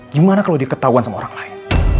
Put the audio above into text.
gimana kalau dia ketahuan sama orang lain